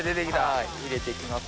はい入れていきます。